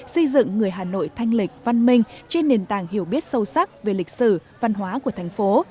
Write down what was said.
xây dựng người hà nội thanh lịch văn minh trên nền tảng hiểu biết sâu sắc về lịch sử văn hóa của thành phố